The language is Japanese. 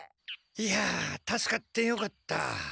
いや助かってよかった！